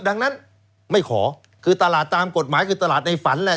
ดังนั้นไม่ขอคือตลาดตามกฎหมายคือตลาดในฝันแหละ